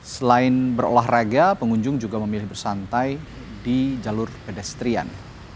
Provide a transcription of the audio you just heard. selain berolahraga pengunjung juga memilih bersantai di jalur pedestrian